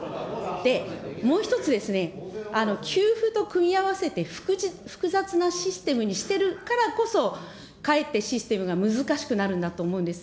で、もう１つですね、給付と組み合わせて複雑なシステムにしてるからこそかえってシステムが難しくなるんだと思うんです。